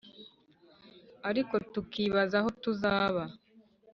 ariko tukibaza aho tuzaba